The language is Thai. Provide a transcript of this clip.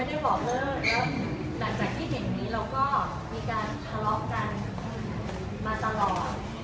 แล้วหลังจากที่เห็นนี้เราก็มีการทะเลาะกันมาตลอด